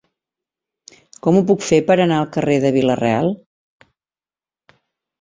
Com ho puc fer per anar al carrer de Vila-real?